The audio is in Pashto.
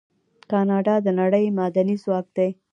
کاناډا د نړۍ معدني ځواک دی.